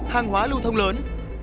hàng hóa lưu thông lớn